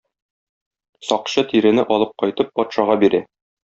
Сакчы тирене алып кайтып патшага бирә.